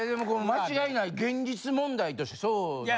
間違いない現実問題としてそうなんですよね。